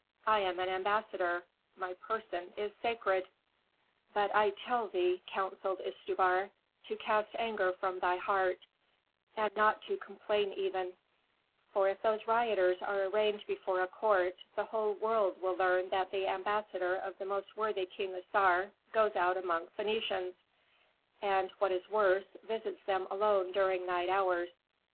I am an ambassador; my person is sacred." "But I tell thee," counselled Istubar, "to cast anger from thy heart, and not to complain even; for if those rioters are arraigned before a court, the whole world will learn that the ambassador of the most worthy King Assar goes about among Phœnicians, and, what is worse, visits them alone during night hours.